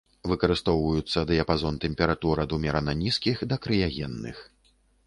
Выкарыстоўваюцца дыяпазон тэмператур ад умерана нізкіх да крыягенных.